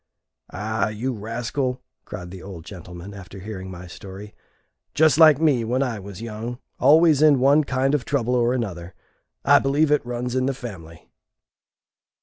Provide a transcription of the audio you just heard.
"Ah, you rascal!" cried the old gentleman, after hearing my story. "Just like me when I was young always in one kind of trouble or another. I believe it runs in the family."